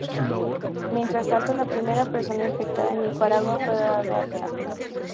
Mientras tanto, la primera persona infectada en Nicaragua, fue dada de alta.